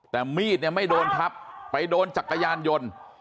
แต่มีดเนี่ยไม่โดนทับไปโดนจักรยานยนต์